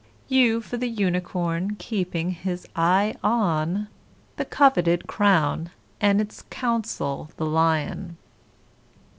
U for the Unicorn, keeping his eye on The coveted crown, and 'ts counsel the Lion.